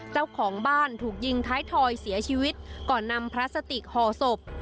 เจ้าของบ้านถูกยิงท้ายถอยเสียชีวิตก่อนนำพลาสติกห่อศพ